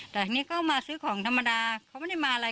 แต่อันนี้ก็มาซื้อของธรรมดาเขาไม่ได้มาอะไร